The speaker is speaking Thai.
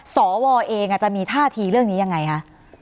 สวเองจะมีท่าทีเรื่องนี้ยังไงคะ